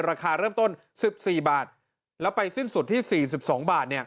ราคาเริ่มต้น๑๔บาทแล้วไปสิ้นสุดที่๔๒บาทเนี่ย